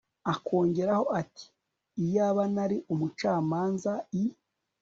akongeraho ati “ iyaba nari umucamanza”i